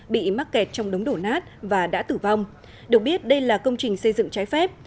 bị mắc kẹt trong đống đổ nát và đã tử vong được biết đây là công trình xây dựng trái phép